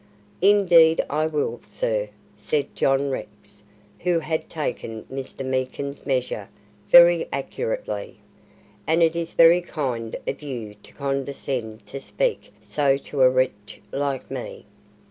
"Indeed I will, sir," said John Rex, who had taken Mr. Meekin's measure very accurately, "and it is very kind of you to condescend to speak so to a wretch like me."